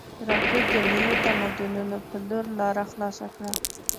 راکټ د نویو تمدنونو په لور لاره خلاصه کړې